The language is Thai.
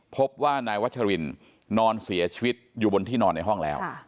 พบว่านายวัชรินนอนเสียชีวิตอยู่บนที่นอนในห้องแล้ว